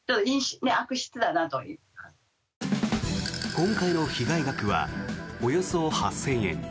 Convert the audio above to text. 今回の被害額はおよそ８０００円。